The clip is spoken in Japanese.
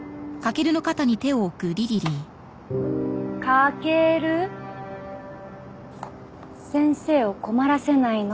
翔先生を困らせないの。